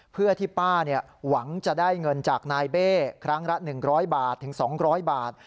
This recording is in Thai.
เพื่อที่ป้าหวังจะได้เงินจากนายเบ้ครั้งละ๑๐๐บาทถึง๒๐๐บาท